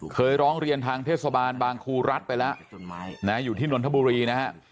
เคยร้องเรียนทางเทศบาลบางครูรัฐไปแล้วอยู่ที่นนทบุรีนะฮะ